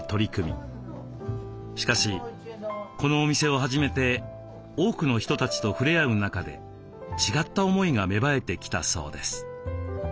しかしこのお店を始めて多くの人たちと触れ合う中で違った思いが芽生えてきたそうです。